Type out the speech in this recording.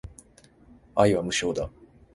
愛は無償だ